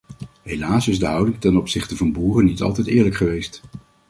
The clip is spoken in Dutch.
Helaas is de houding ten opzichte van boeren niet altijd eerlijk geweest.